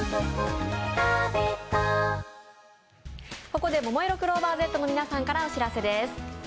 ここでももいろクローバーＺの皆さんからお知らせです。